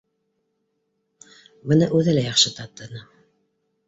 Быны үҙе лә яҡшы татыны